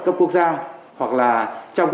cấp quốc gia hoặc là trong